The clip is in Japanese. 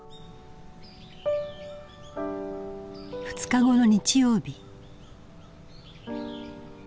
２日後の日曜日。